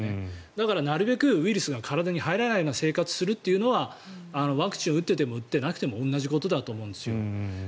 だからなるべくウイルスが体に入らない生活をするというのはワクチンを打っていても打ってなくても同じことだと思うんです。